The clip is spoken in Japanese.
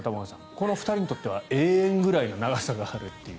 この２人にとっては永遠ぐらいの長さがあるという。